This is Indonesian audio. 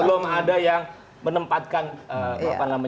belum ada yang menempatkan konflik antara